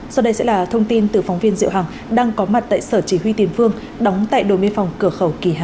sau đây sẽ là thông tin từ phóng viên diệu hằng đang có mặt tại sở chỉ huy tiền phương đóng tại đồ miên phòng cửa khẩu kỳ hà